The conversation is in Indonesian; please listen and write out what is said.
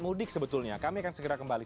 mudik sebetulnya kami akan segera kembali